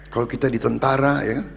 kalau kita di tentara